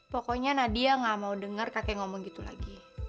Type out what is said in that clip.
pokoknya nadia gak mau dengar kakek ngomong gitu lagi